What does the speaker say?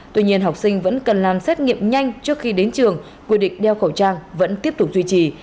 tuy nhiên học sinh vẫn cần làm xét nghiệm nhanh trước khi đến trường quy định đeo khẩu trang vẫn tiếp tục duy trì